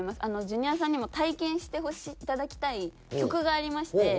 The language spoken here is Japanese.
ジュニアさんにも体験していただきたい曲がありまして。